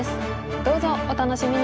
どうぞお楽しみに！